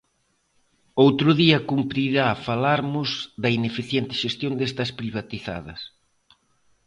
Outro día cumprirá falarmos da ineficiente xestión destas privatizadas.